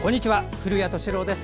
古谷敏郎です。